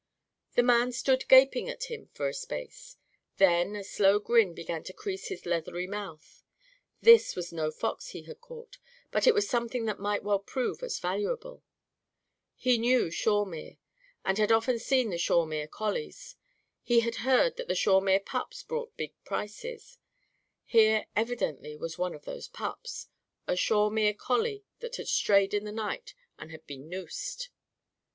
The man stood gaping at him for a space. Then a slow grin began to crease his leathery mouth. This was no fox he had caught. But it was something that might well prove as valuable. He knew Shawemere, and had often seen the Shawemere collies. He had heard that the Shawemere pups brought big prices. Here, evidently, was one of those pups a Shawemere collie that had strayed in the night and had been noosed.